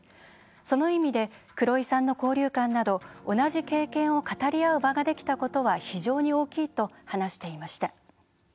その意味で黒井さんの交流館など同じ経験を語り合う場ができたことは非常に大きいと話していました。